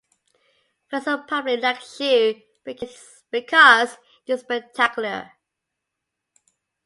First the public likes you because you're spectacular.